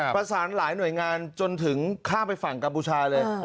ประสานหลายหน่วยงานจนถึงข้ามไปฝั่งกัมพูชาเลย